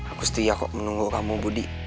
aku setia kok menunggu kamu budi